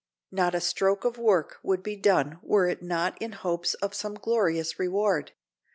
Not a stroke of work would be done were it not in hopes of some glorious reward.